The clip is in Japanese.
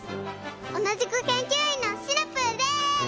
おなじくけんきゅういんのシナプーです！